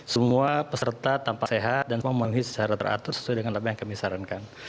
semua peserta tanpa sehat dan semua memulai secara teratur sesuai dengan hal yang kami sarankan